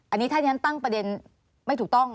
อันนี้ถ้าที่ฉันตั้งประเด็นไม่ถูกต้อง